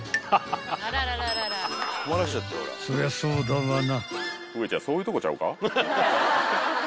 ［そりゃそうだわな］